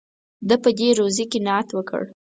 ده په دې روزي قناعت وکړ.